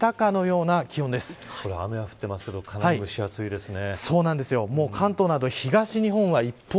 雨が降っていますけどかなり蒸し暑いですね。